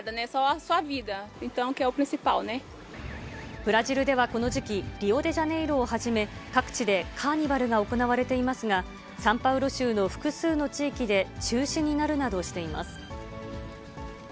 ブラジルではこの時期、リオデジャネイロをはじめ、各地でカーニバルが行われていますが、サンパウロ州の複数の地域で中止になるなどしています。